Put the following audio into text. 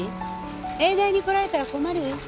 永大に来られたら困る？